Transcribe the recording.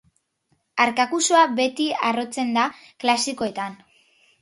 Arkakusoa beti harrotzen da klasikoetan.